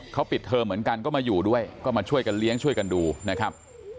เขาปิดเทอมเหมือนกันก็มาอยู่ด้วยก็มาช่วยกันเลี้ยงช่วยกันดูนะครับ